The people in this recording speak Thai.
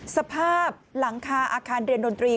สภาพหลังคาอาคารเรียนดนตรี